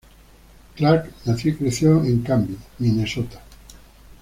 Clark nació y creció en Canby, Minnesota.